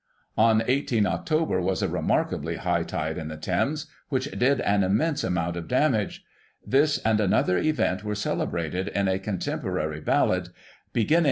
On 18 Oct. was a remarkably high tide in the Thames, which did an immense amount of damage. This, and another event were celebrated in a contemporary ballad, beginning :* A famous Rope dancer.